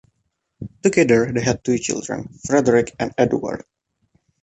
Together, they had two children, Fredrick and Edward.